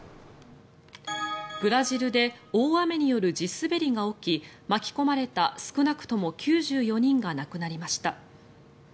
ブラジルで大雨による地滑りが起き巻き込まれた少なくとも９４人が亡くなりました。